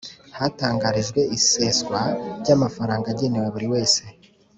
hatangarijwe iseswa ry Amafaranga agenewe buri wese